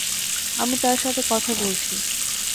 আমি তার সাথে কথা বলছি।